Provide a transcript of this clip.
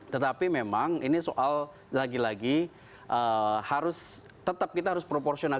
tetapi memang ini soal lagi lagi harus tetap kita harus proporsional